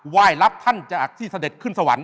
ยรับท่านจากที่เสด็จขึ้นสวรรค